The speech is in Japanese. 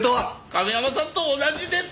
亀山さんと同じです！